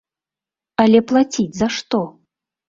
Але плаціць за што?